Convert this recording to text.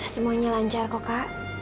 semuanya lancar kok kak